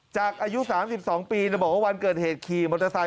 อายุ๓๒ปีบอกว่าวันเกิดเหตุขี่มอเตอร์ไซค